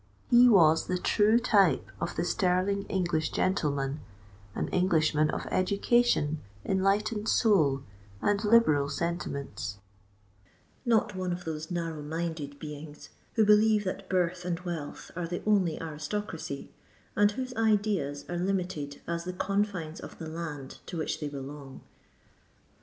He was the true type of a sterling English gentleman—an Englishman of education, enlightened soul, and liberal sentiments;—not one of those narrow minded beings, who believe that birth and wealth are the only aristocracy, and whose ideas are limited as the confines of the land to which they belong.